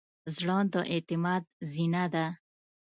زړه د اعتماد زینه ده.